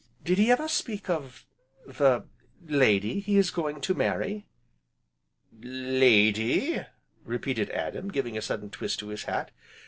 "Did he ever speak of the lady he is going to marry?" "Lady?" repeated Adam, giving a sudden twist to his hat.